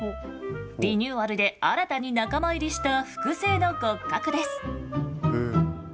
リニューアルで新たに仲間入りした複製の骨格です。